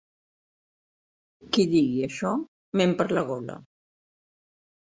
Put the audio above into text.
Qui digui això, ment per la gola.